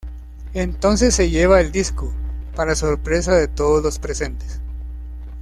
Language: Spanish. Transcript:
Entonces se lleva el disco, para sorpresa de todos los presentes.